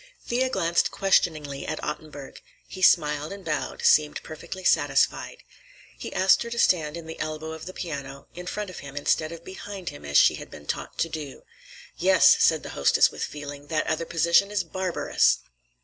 Thea glanced questioningly at Ottenburg. He smiled and bowed, seemed perfectly satisfied. He asked her to stand in the elbow of the piano, in front of him, instead of behind him as she had been taught to do. "Yes," said the hostess with feeling. "That other position is barbarous."